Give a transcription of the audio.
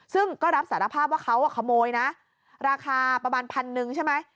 ซึ่งก็รับสารภาพว่าเขาขโมยนะราคาประมาณพันหนึ่งใช่ไหม